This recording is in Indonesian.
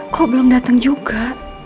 kok belum datang juga